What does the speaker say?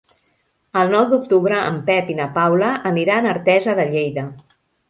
El nou d'octubre en Pep i na Paula aniran a Artesa de Lleida.